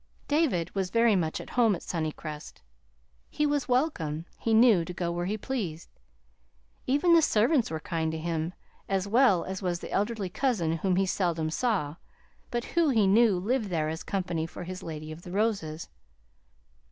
David was very much at home at Sunnycrest. He was welcome, he knew, to go where he pleased. Even the servants were kind to him, as well as was the elderly cousin whom he seldom saw, but who, he knew, lived there as company for his Lady of the Roses.